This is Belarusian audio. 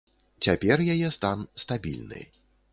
Цяпер яе стан стабільны.